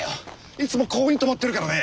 いつもここにとまってるからね。